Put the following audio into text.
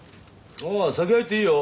お先入っていいよ。